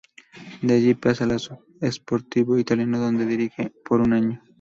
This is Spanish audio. De allí pasa al Sportivo Italiano donde dirige por un año.